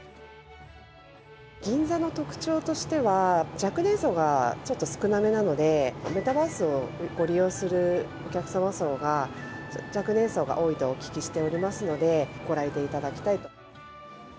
銀座の特徴としては、若年層がちょっと少なめなので、メタバースをご利用するお客様層が若年層が多いとお聞きしておりますので、ご来店いただきたいと。